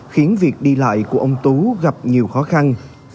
khiến việc đi lại của ông tú gặp nhiều khó khăn